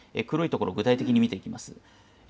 黒い所、具体的に見ていきます。